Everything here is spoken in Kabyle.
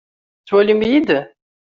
Tettwalim-iyi-d?